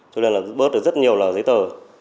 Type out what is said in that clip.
cho nên bớt được rất nhiều giấy tờ